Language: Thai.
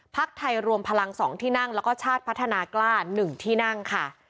ไทยรวมพลัง๒ที่นั่งแล้วก็ชาติพัฒนากล้า๑ที่นั่งค่ะ